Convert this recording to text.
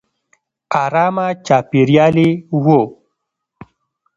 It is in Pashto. ارامه چاپېریال یې و.